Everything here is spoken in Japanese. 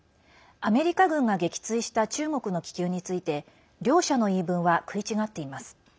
アメリカ軍が撃墜した中国の気球について両者の言い分は食い違っています。